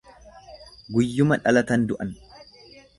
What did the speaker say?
Guyyuma dhalatan du'an.